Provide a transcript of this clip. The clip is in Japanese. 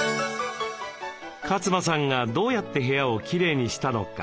勝間さんがどうやって部屋をきれいにしたのか？